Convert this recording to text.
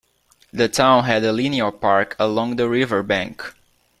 The town had a linear park along the riverbank.